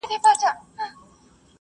زعفران یوازې یو نبات نه دی.